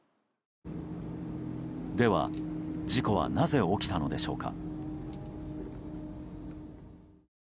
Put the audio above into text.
では、事故はなぜ起きたのでしょうか。